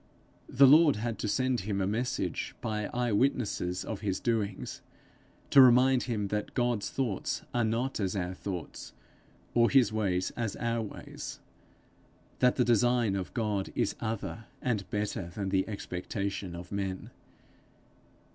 The Lord had to send him a message, by eye witnesses of his doings, to remind him that God's thoughts are not as our thoughts, or his ways as our ways that the design of God is other and better than the expectation of men.